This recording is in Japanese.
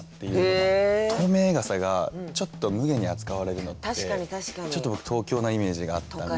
透明傘がちょっとむげに扱われるのってちょっと僕東京なイメージがあったんで。